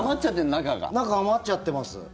中が余っちゃってます。